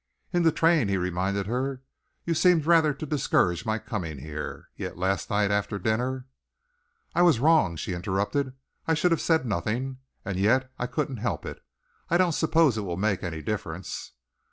"In the train," he reminded her, "you seemed rather to discourage my coming here. Yet last night, after dinner " "I was wrong," she interrupted. "I should have said nothing, and yet I couldn't help it. I don't suppose it will make any difference."